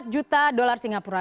empat juta dolar singapura